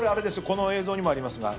この映像にもありますが。